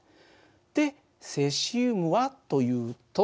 でセシウムはというと。